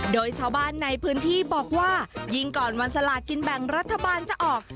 โดยชาวบ้านในพื้นที่บอกว่ายิ่งก่อนวันสลากินแบ่งรัฐบาลจะออก